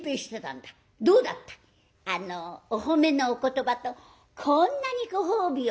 「あのお褒めのお言葉とこんなにご褒美を」。